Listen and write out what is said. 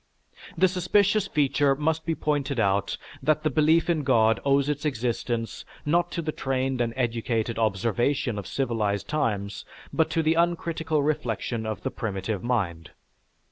"The suspicious feature must be pointed out that the belief in God owes its existence, not to the trained and educated observation of civilized times, but to the uncritical reflection of the primitive mind.